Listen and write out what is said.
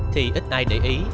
thì ít ai để ý